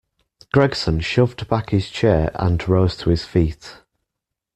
Gregson shoved back his chair and rose to his feet.